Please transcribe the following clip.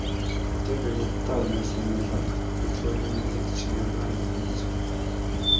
Хотын дээгүүр утаа униар суунаглан, авто хөдөлгөөний нүргээнт чимээ хаа нэгхэн сонсогдоно.